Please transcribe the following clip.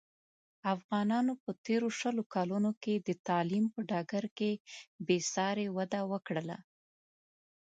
افغانانو په تېرو شلو کلونوکې د تعلیم په ډګر کې بې ساري وده وکړله.